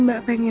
buku harian ini